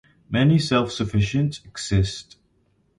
Many self-sufficient exist.